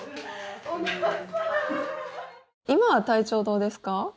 今は体調どうですか？